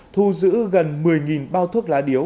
thu giữ gần một mươi bao thuốc lá điếu